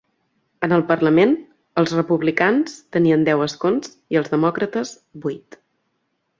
En el parlament, els republicans tenien deu escons i els demòcrates, vuit.